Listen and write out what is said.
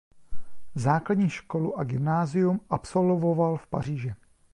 Základní školu a gymnázium absolvoval v Paříži.